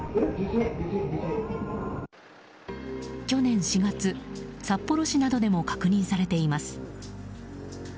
去年４月札幌市などでも確認されています。